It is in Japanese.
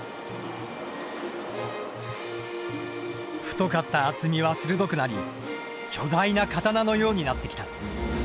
太かった厚みは鋭くなり巨大な刀のようになってきた。